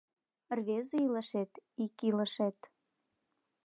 Рвезе илышет, ик илышет